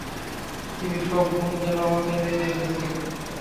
পৃথিবীর সব ঘুম যেন আমাতে নেমে এসেছে।